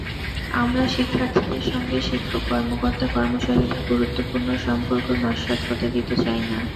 আমরা শিক্ষার্থীদের সঙ্গে শিক্ষক-কর্মকর্তা-কর্মচারীদের বন্ধুত্বপূর্ণ সম্পর্ক নস্যাত্ হতে দিতে চাই না।